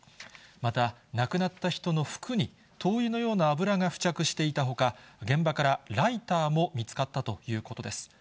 また、亡くなった人の服に灯油のような油が付着していたほか、現場からライターも見つかったということです。